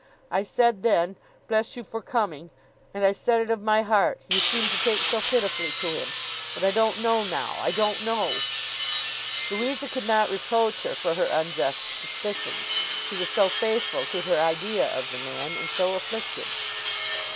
I said then, Bless you for coming; and I said it of my heart, you seemed to take so pitifully to him; but I don't know now, I don't know!' Louisa could not reproach her for her unjust suspicions; she was so faithful to her idea of the man, and so afflicted.